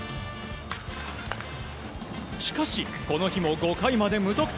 しかし、この日も５回まで無得点。